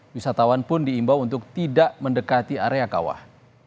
wisatawan pun diimbau untuk tidak mendekati area kawah